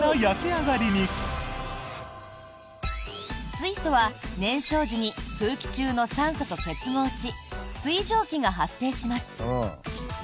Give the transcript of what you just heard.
水素は燃焼時に空気中の酸素と結合し水蒸気が発生します。